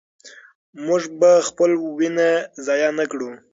موږ به خپله وینه ضایع نه کړو.